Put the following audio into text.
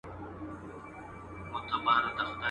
سلا کار به د پاچا او د امیر یې.